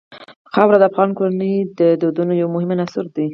خاوره د افغان کورنیو د دودونو یو مهم عنصر دی.